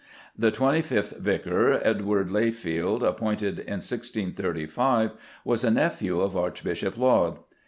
The twenty fifth vicar, Edward Layfield, appointed in 1635, was a nephew of Archbishop Laud.